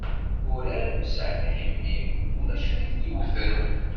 Urar n Messaɛd Ḥimi, ulac win i t-yewten.